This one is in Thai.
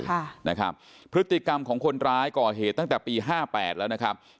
ค่ะนะครับพฤติกรรมของคนร้ายก่อเหตุตั้งแต่ปีห้าแปดแล้วนะครับ